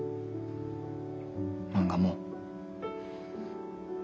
漫画も。